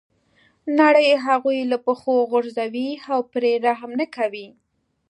نړۍ هغوی له پښو غورځوي او پرې رحم نه کوي.